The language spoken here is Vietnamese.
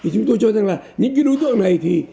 chúng tôi cho rằng là những cái đối tượng này thì